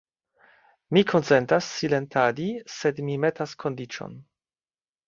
Mi konsentas silentadi; sed mi metas kondiĉon.